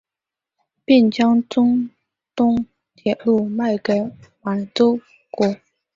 并将中东铁路卖给满洲国。